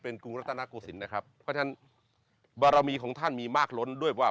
กรุงรัฐนาโกศิลป์นะครับเพราะฉะนั้นบารมีของท่านมีมากล้นด้วยว่า